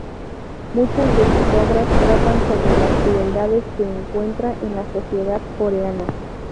Muchas de sus obras tratan sobre las crueldades que encuentra en la sociedad coreana.